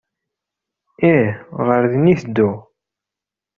Ih, ɣer din i tedduɣ.